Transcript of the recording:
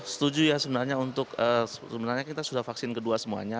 saya setuju ya sebenarnya kita sudah vaksin kedua semuanya